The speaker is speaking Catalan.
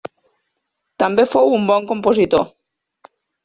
També fou un bon compositor.